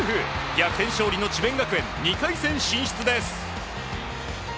逆転勝利の智弁学園２回戦進出です。